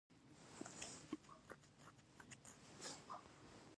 افغانستان کې د هوا لپاره دپرمختیا پروګرامونه شته.